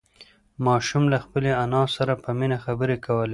ماشوم له خپلې انا سره په مینه خبرې کولې